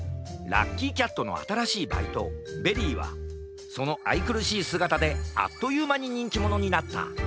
ラッキーキャットのあたらしいバイトベリーはそのあいくるしいすがたであっというまににんきものになった。